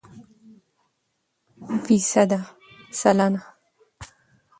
فیصده √ سلنه